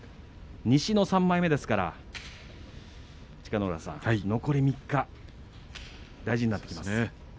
西の３枚目ですから千賀ノ浦さん、残り３日大事になってきますね。